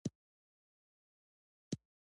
دوی په کال کې دوه ځله حاصل اخیست.